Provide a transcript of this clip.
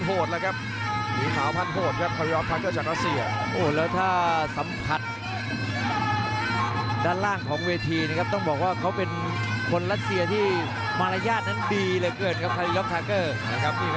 คอลีรอฟพยายามจะเปิดเกมเข้าใสแล้วครับ